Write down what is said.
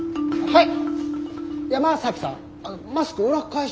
はい。